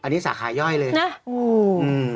อันนี้สาขาย่อยเลย